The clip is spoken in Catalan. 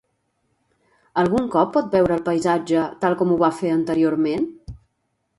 Algun cop pot veure el paisatge tal com ho va fer anteriorment?